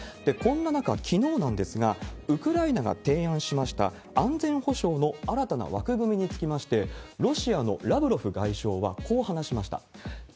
こんな中、きのうなんですが、ウクライナが提案しました安全保障の新たな枠組みにつきまして、ロシアのラブロフ外相はこう話しました。